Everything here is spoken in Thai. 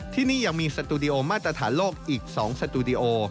ที่นี่ยังมีสตูดิโอมาตรฐานโลกอีก๒สตูดิโอ